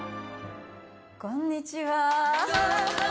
こんにちは。